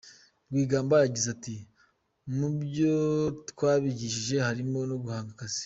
Rwigamba yagize ati ”Mubyo twabigishije harimo guhanga akazi.